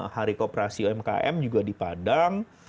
hari kooperasi umkm juga di padang